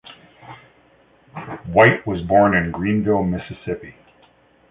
White was born in Greenville, Mississippi.